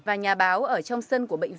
và nhà báo ở trong sân của bộ trưởng